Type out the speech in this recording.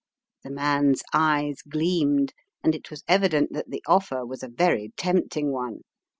The man's eyes gleamed, and it was evident that the offer was a very tempting one.